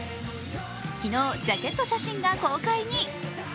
昨日、ジャケット写真が公開に。